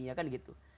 ya kan gitu